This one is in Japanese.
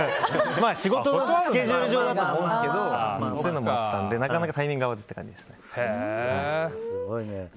仕事のスケジュール上だと思うんですけどそういうのもあったのでなかなかタイミング合わず。